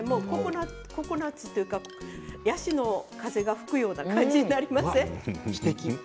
ココナツというかヤシの風が吹くような感じになりません？